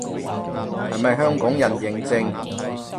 係咪香港人認證